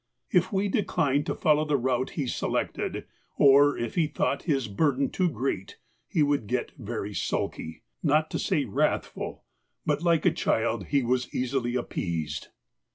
If we declined to follow the route he selected, or if he thought his burden too great, he would get very sulky, not to say wrathful; but, like a child, he was easily appeased.